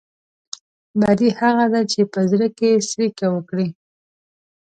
بدي هغه ده چې په زړه کې څړيکه وکړي.